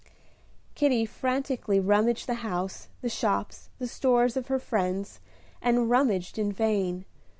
Kitty frantically rummaged the house, the shops, the stores of her friends, and rummaged in vain.